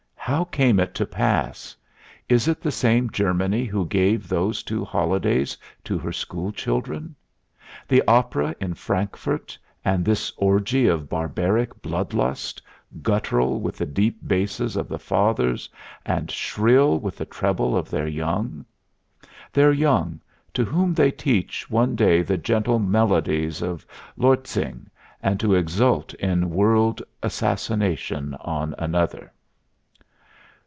How came it to pass? Is it the same Germany who gave those two holidays to her school children? The opera in Frankfurt, and this orgy of barbaric blood lust, guttural with the deep basses of the fathers and shrill with the trebles of their young? Their young, to whom they teach one day the gentle melodies of Lortzing, and to exult in world assassination on another?